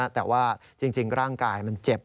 แต่ว่าจริงร่างกายมันเจ็บ